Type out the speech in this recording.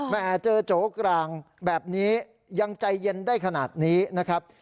แม่เจอโจกลางแบบนี้ยังใจเย็นได้ขนาดนี้นะครับ